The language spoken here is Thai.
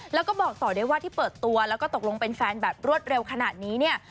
แล้วก็บอกต่อด้วยว่าที่เปิดตัวแล้วก็ตกลงเป็นแฟนแบบรวดเร็วขนาดนี้เนี่ย